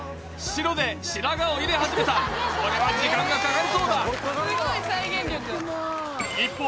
白で白髪を入れ始めたこれは時間がかかりそうだ一方